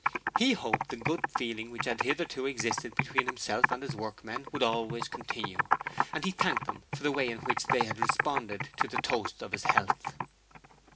He hoped the good feeling which had hitherto existed between himself and his workmen would always continue, and he thanked them for the way in which they had responded to the toast of his health.